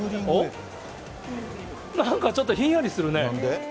なんかちょっとひんやりするね。